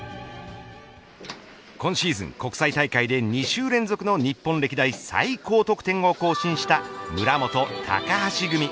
今シーズン、国際大会で２週連続の日本歴代最高得点を更新した村元・高橋組。